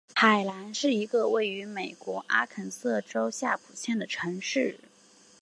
海兰是一个位于美国阿肯色州夏普县的城市。